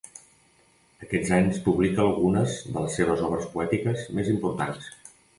Aquests anys publica algunes de les seves obres poètiques més importants.